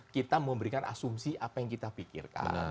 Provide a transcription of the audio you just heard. kita memberikan asumsi apa yang kita pikirkan